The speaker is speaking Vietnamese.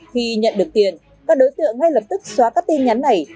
khi nhận được tiền các đối tượng ngay lập tức xóa các tin nhắn này